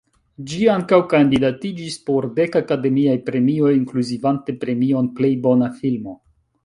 Ĝi ankaŭ kandidatiĝis por dek Akademiaj Premioj inkluzivante premion Plej Bona Filmo.